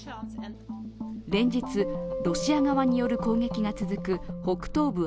連日、ロシア側による攻撃が続く北東部